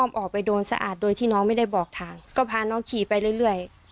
ออกไปโดนสะอาดโดยที่น้องไม่ได้บอกทางก็พาน้องขี่ไปเรื่อย